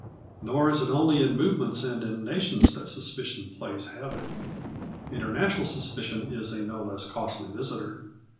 Nor is it only in movements and in nations that suspicion plays havoc. International suspicion is a no less costly visitor.